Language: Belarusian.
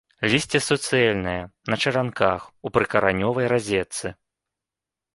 Лісце суцэльнае, на чаранках, у прыкаранёвай разетцы.